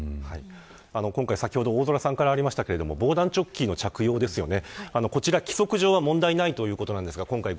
今回先ほど大空さんからもありましたけれども防弾チョッキの着用ですよね。